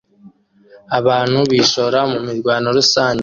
Abantu bishora mu mirwano rusange